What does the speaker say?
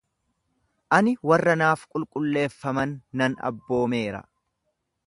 Ani warra naaf qulqulleeffaman nan abboomeera.